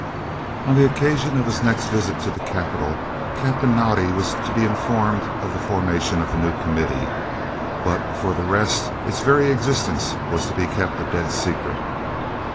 On the occasion of his next visit to the capital Captain Naudé was to be informed of the formation of the new Committee, but for the rest its very existence was to be kept a dead secret.